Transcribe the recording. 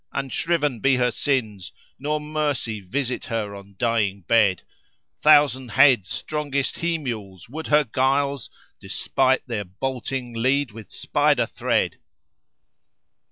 unshriven be her sins * Nor mercy visit her on dying bed: Thousand head strongest he mules would her guiles, * Despite their bolting lead with spider thread.